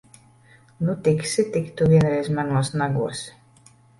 Nu, tiksi tik tu vienreiz manos nagos!